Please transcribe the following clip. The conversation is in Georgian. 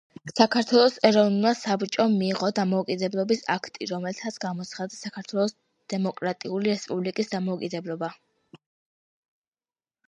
საქართველოს ეროვნულმა საბჭომ მიიღო დამოუკიდებლობის აქტი, რომლითაც გამოცხადდა საქართველოს დემოკრატიული რესპუბლიკის დამოუკიდებლობა.